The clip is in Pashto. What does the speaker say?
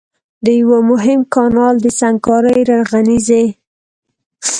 د يوه مهم کانال د سنګکارۍ رغنيزي